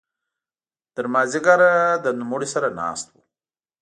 تر ماذیګره د نوموړي سره ناست وو.